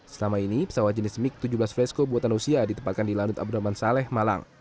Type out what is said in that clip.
selama ini pesawat jenis mig tujuh belas fresco buatan usia ditempatkan di lanut abdurrahman saleh malang